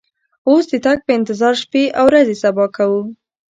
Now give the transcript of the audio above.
اوس د تګ په انتظار شپې او ورځې صبا کوو.